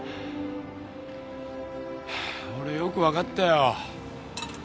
俺よく分かったよ。